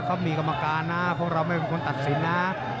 เขามีกรรมการนะพวกเราไม่เป็นคนตัดสินนะ